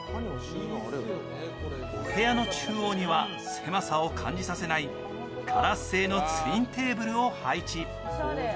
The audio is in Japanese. お部屋の中央には、狭さを感じさせないガラス製のツインテーブルを配置。